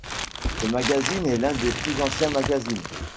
Ce magazine est l'un des plus anciens mazagine.